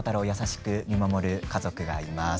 さらにほたるを優しく見守る家族がいます。